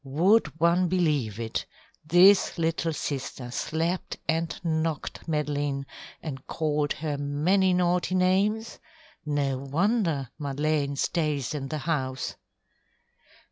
Would one believe it this little sister slapped and knocked Madeleine, and called her many naughty names? No wonder Madeleine stays in the house."